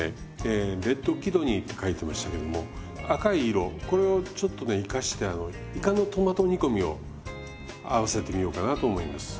えレッドキドニーって書いてましたけども赤い色これをちょっとね生かしていかのトマト煮込みを合わせてみようかなと思います。